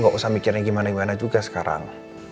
gak usah mikirnya gimana gimana juga sekarang